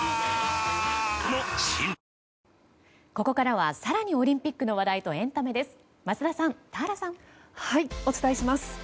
ここからは更にオリンピックの話題とエンタメです。